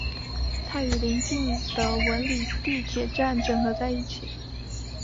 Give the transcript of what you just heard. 它与临近的文礼地铁站整合在一起。